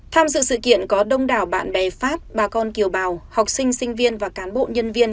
tham dự sự kiện có đông đảo bạn bè pháp bà con kiều bào học sinh sinh viên và cán bộ nhân viên